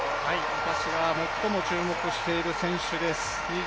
私が最も注目している選手です。